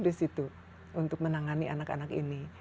di situ untuk menangani anak anak ini